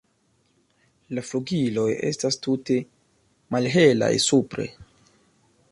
La flugiloj estas tute malhelaj supre.